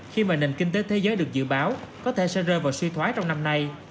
khi mà nền kinh tế thế giới được dự báo có thể sẽ rơi vào suy thoái trong năm nay